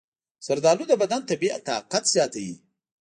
زردآلو د بدن طبیعي طاقت زیاتوي.